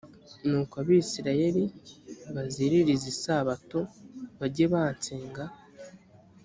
nuko abisirayeli baziririze isabato bajye bansenga